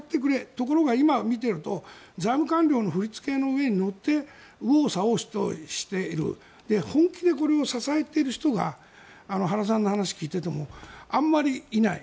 ところが今を見ていると財務官僚の振り付けの上に乗って右往左往している本気でこれを支えている人が原さんの話を聞いててもあんまりいない。